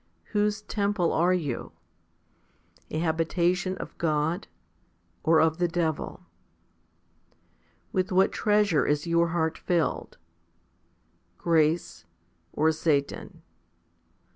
Whose temple are you ? a habitation of God, or of the devil ? With what treasure is your heart filled ? grace, or Satan?